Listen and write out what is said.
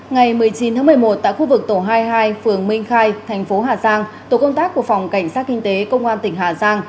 ngày một mươi chín tháng một mươi một tại khu vực tổ hai mươi hai phường minh khai thành phố hà giang tổ công tác của phòng cảnh sát kinh tế công an tỉnh hà giang